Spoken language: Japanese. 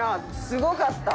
すごかった。